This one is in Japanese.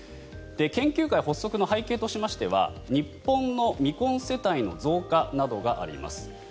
研究会発足の背景としましては日本の未婚世帯の増加などがあります。